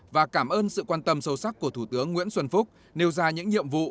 và cảm ơn sự quan tâm sâu sắc của thủ tướng nguyễn xuân phúc nêu ra những nhiệm vụ